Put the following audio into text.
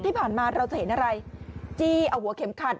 ที่ผ่านมาเราจะเห็นอะไรจี้เอาหัวเข็มขัด